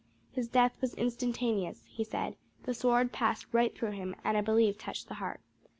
"His death was instantaneous," he said; "the sword passed right through him, and I believe touched the heart.